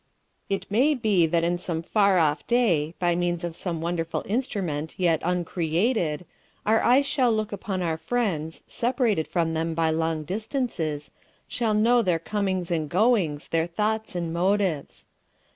It may be that in some far off day, by means of some wonderful instrument yet uncreated, our eyes shall look upon our friends, separated from them by long distances, shall know their comings and goings, their thoughts and motives.